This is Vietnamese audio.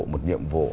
một nhiệm vụ